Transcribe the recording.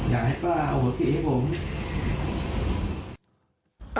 อยากให้เปล่าสีให้ผม